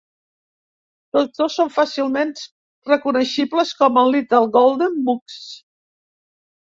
Tots dos són fàcilment reconeixibles com a Little Golden Books.